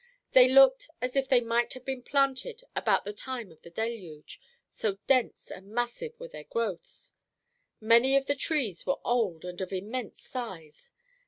They looked as if they might have been planted about the time of the Deluge, so dense and massive were their growths. Many of the trees were old and of immense size.